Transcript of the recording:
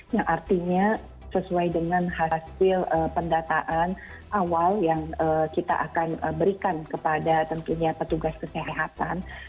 yang artinya sesuai dengan hasil pendataan awal yang kita akan berikan kepada tentunya petugas kesehatan